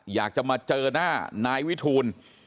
อยากจะมาเจอหน้านายวิทูล